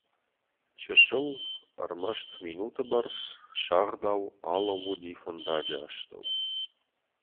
Чысыл, ӕрмӕст минуты бӕрц, сагъдау алӕууыди фӕндаджы астӕу.